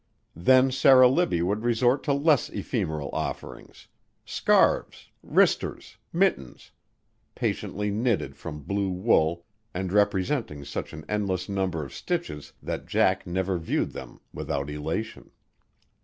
Then Sarah Libbie would resort to less ephemeral offerings, scarves, wristers, mittens, patiently knitted from blue wool and representing such an endless number of stitches that Jack never viewed them without elation.